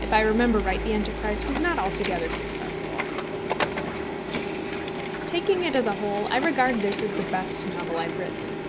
If I remember right, the enterprise was not altogether successful. Taking it as a whole, I regard this as the best novel I have written.